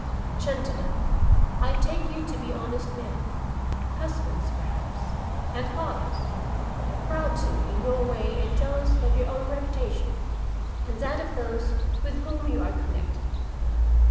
Gentleman I take you to be honest men; husbands, perhaps, and fathers; proud, too, in your way and jealous of your own reputation and that of those with whom you are connected.